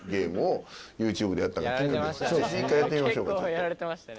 「結構やられてましたね」